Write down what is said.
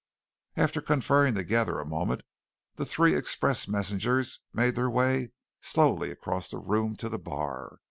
After conferring together a moment the three express messengers made their way slowly across the room to the bar.